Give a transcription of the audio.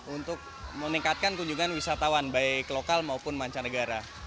untuk meningkatkan kunjungan wisatawan baik lokal maupun mancanegara